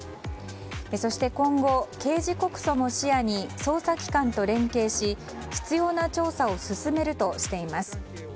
そして今後、刑事告訴も視野に捜査機関と連携し必要な調査を進めるとしています。